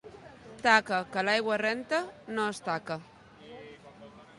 Taca que l'aigua renta no és taca.